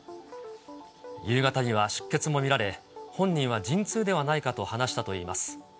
夕方には出血も見られ、本人は陣痛ではないかと話したといいます。